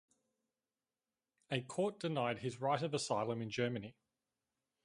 A court denied his right of asylum in Germany.